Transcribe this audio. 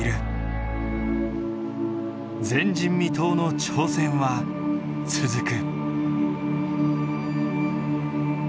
前人未到の挑戦は続く。